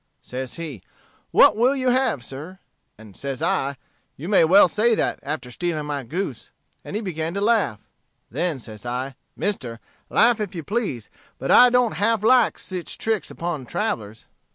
"Says he, 'What will you have, sir?' And says I, 'You may well say that, after stealing my goose.' And he began to laugh. Then says I, 'Mister, laugh if you please; but I don't half like sich tricks upon travellers.'